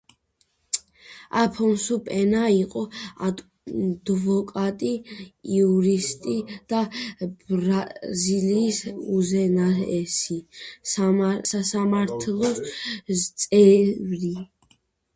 აფონსუ პენა იყო ადვოკატი, იურისტი და ბრაზილიის უზენაესი სასამართლოს წევრი.